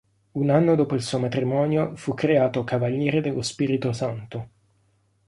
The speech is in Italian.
Un anno dopo il suo matrimonio, fu creato Cavaliere dello Spirito Santo.